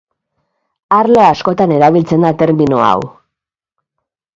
Arlo askotan erabiltzen da termino hau.